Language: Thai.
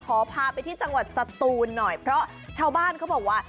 ขอพาไปที่จังหวัดสตูนหน่อยเพราะชาวบ้านเขาบอกว่า